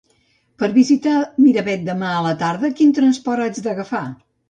Per visitar Miravet demà a la tarda, quin transport haig d'agafar?